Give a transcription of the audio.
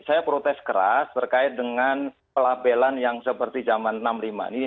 saya protes keras terkait dengan pelabelan yang seperti zaman enam puluh lima ini